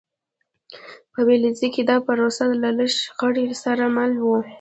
په ویلز کې دا پروسه له لږې شخړې سره مل وه.